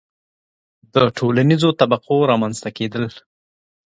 • د ټولنیزو طبقو رامنځته کېدل.